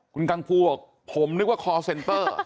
คุณกังฟูวัสดิ์ผมนึกว่าคอร์เซนเตอร์